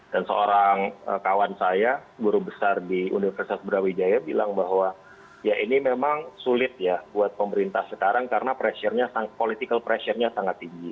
dan seorang kawan saya guru besar di universitas brawijaya bilang bahwa ya ini memang sulit ya buat pemerintah sekarang karena pressure nya sangat political pressure nya sangat tinggi